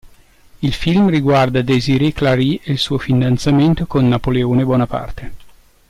Il film riguarda Désirée Clary e il suo fidanzamento con Napoleone Bonaparte.